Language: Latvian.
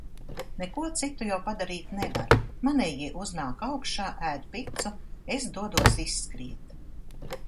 Neko citu jau padarīt nevar. Manējie uznāk augšā, ēd picu. Es dodos izskriet.